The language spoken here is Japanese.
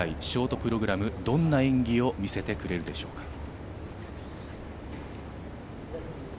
ショートプログラム、どんな演技を見せてくれるでしょうか？